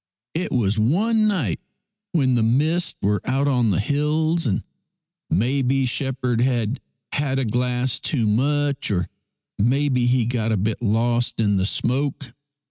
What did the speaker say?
" It was one night when the mists were out on the hills, and maybe shepherd had had a glass too much, or maybe he got a bit lost in the smoke.